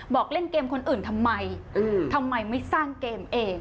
บอกเล่นเกมคนอื่นทำไมทำไมไม่สร้างเกมเอง